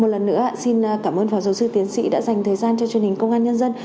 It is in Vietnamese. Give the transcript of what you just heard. một lần nữa xin cảm ơn phó giáo sư tiến sĩ đã dành thời gian cho truyền hình công an nhân dân